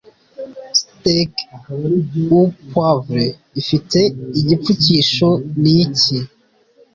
Steak Au Poivre Ifite Igipfukisho Niki?